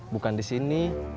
bukan di sini